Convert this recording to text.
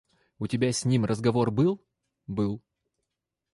У тебя с ним разговор был? – Был.